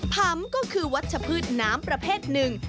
ผำก็คือวัชพืชน้ำประเภทหนึ่ง